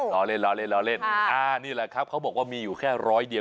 รอเล่นรอเล่นรอเล่นอ่านี่แหละครับเขาบอกว่ามีอยู่แค่ร้อยเดียว